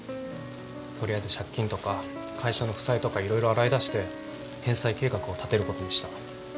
取りあえず借金とか会社の負債とか色々洗い出して返済計画を立てることにした。